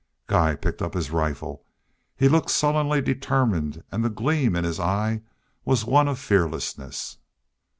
Guy picked up his rifle. He looked sullenly determined and the gleam in his eye was one of fearlessness.